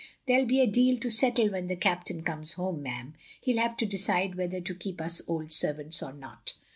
"There *11 be a deal to settle when the Captain comes home, ma'am. He '11 have to decide whether to keep on us old servants or not.